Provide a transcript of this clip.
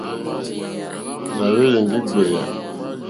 Nà hwélì ndí ɡbèyà.